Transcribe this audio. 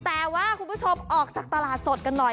แต่ว่าคุณผู้ชมออกจากตลาดสดกันหน่อย